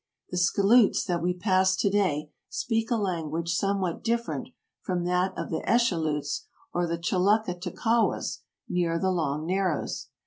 *' The Skilloots that we passed to day speak a language somewhat different from that of the Echeloots or Chilluckit tequaws near the long narrows.